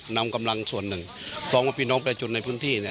นำกำลังส่วนหนึ่งเพราะว่าพี่น้องประชาชนในพื้นที่เนี่ย